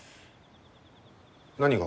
何が？